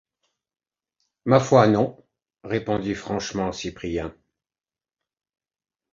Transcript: Ma foi non! répondit franchement Cyprien.